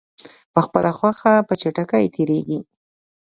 په خپله خوښه په چټکۍ تېریږي.